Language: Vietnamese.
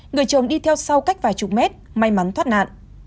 người chồng đi theo sau cách vài chục mét may mắn thoát nạn